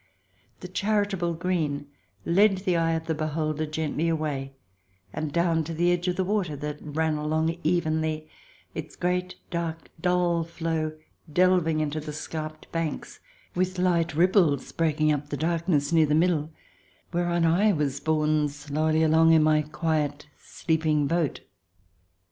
The chari table green led the eye of the beholder gently away and down to the edge of the water that ran along evenly, its great, dark, dull flow delving into the scarped banks, with light ripples breaking up the darkness near the middle, whereon I was borne slowly along in my quiet, sleeping boat.